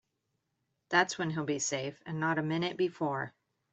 That's when he'll be safe and not a minute before.